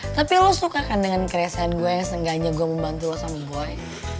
tapi lo suka kan dengan keresahan gue yang seenggaknya gue membantu lo sama gue